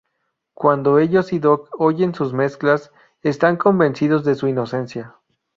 Cuando ellos y Doc oyen sus mezclas, están convencidos de su inocencia.